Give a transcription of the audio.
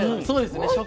そうですね。